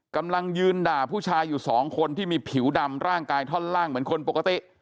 กำลังยืนด่าผู้ชายอยู่สองคนที่มีผิวดำร่างกายท่อนล่างเหมือนคนปกติ